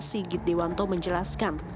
sigit dewanto menjelaskan